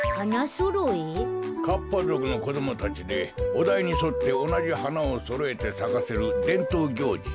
かっぱぞくのこどもたちでおだいにそっておなじはなをそろえてさかせるでんとうぎょうじじゃ。